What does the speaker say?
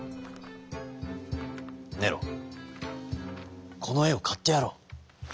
「ネロこのえをかってやろう。